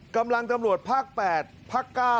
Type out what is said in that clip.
กำลังตำรวจภาค๘ภาค๙